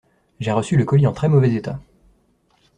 J'ai reçu le colis en très mauvais état.